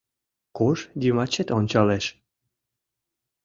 Кож йымачет ончалеш